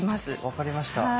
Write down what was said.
分かりました。